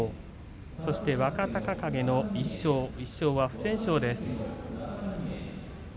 そして若隆景の１勝この１勝は不戦勝です。